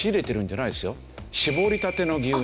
搾りたての牛乳。